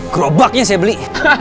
kerobaknya saya beli